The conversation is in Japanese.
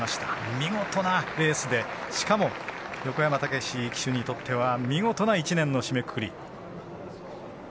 見事なレースでしかも横山武史騎手にとっては見事な１年の締めくくり。